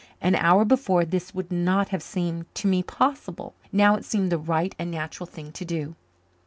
An hour before, this would not have seemed to me possible; now it seemed the right and natural thing to do.